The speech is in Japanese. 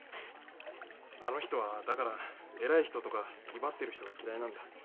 あの人はだから偉い人とか威張ってる人が嫌いなんだ。